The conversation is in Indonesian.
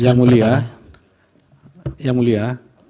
yang mulia yang mulia